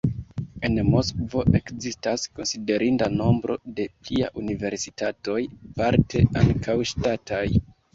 En Moskvo ekzistas konsiderinda nombro da pliaj universitatoj, parte ankaŭ ŝtataj.